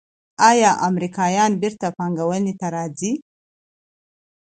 آیا امریکایان بیرته پانګونې ته راځí؟